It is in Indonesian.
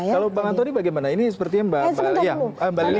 kalau bang antoni bagaimana ini sepertinya mbak lili